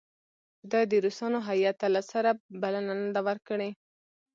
ده د روسانو هیات ته له سره بلنه نه ده ورکړې.